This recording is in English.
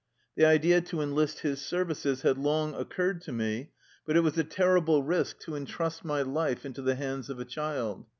The idea to enlist his services had long occurred to me ; but it was a terrible risk to intrust my life into the hands of a child.